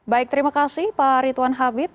baik terima kasih pak rituan habib